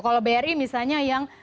kalau bri misalnya yang